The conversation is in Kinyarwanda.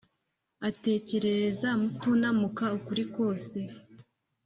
atekerereza mutunamuka ukuri kose.